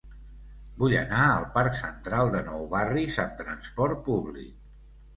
Vull anar al parc Central de Nou Barris amb trasport públic.